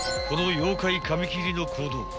［この妖怪髪切りの行動